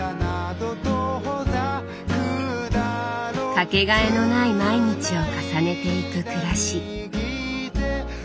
掛けがえのない毎日を重ねていく暮らし。